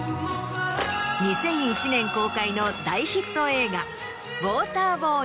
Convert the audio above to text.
２００１年公開の大ヒット映画。